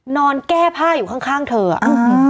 นอนแก้ผ้าอยู่ข้างข้างเธออ่ะ